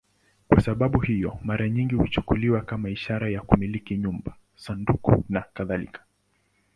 Kwa sababu hiyo, mara nyingi huchukuliwa kama ishara ya kumiliki nyumba, sanduku nakadhalika.